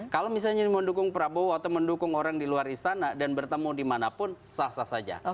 kalau misalnya mendukung prabowo atau mendukung orang di luar istana dan bertemu dimanapun sah sah saja